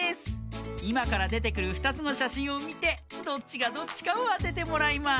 いまからでてくる２つのしゃしんをみてどっちがどっちかをあててもらいます！